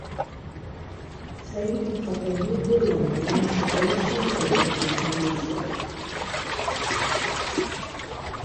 Саид ихаҭагьы идыруан иан шаҟа илцәымӷыз убри шәареи сареи.